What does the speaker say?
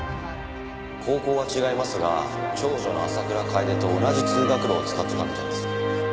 高校は違いますが長女の浅倉楓と同じ通学路を使ってたみたいです。